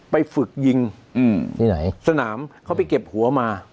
ไปฝึกยิงสนามเขาไปเก็บหัวมา